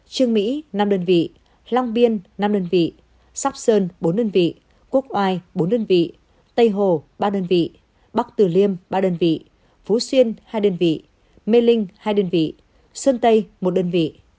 trương mỹ năm đơn vị long biên năm đơn vị sóc sơn bốn đơn vị quốc oai bốn đơn vị tây hồ ba đơn vị bắc tử liêm ba đơn vị phú xuyên hai đơn vị mê linh hai đơn vị sơn tây một đơn vị